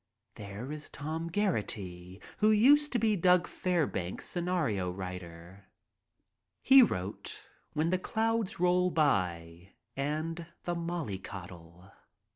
There is Tom Geraghty, who used to be Doug Fairbanks's scenario writer. He wrote "When the Clouds Roll By" and "The Mollycoddle."